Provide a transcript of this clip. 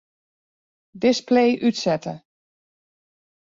Display útsette.